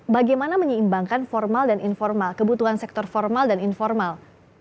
bagaimana menyeimbangkan formal dan informal kebutuhan sektor formal dan informal